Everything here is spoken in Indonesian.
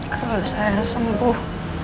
kalau saya sembuh